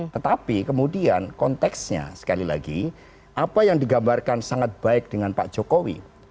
tetapi kemudian konteksnya sekali lagi apa yang digambarkan sangat baik dengan pak jokowi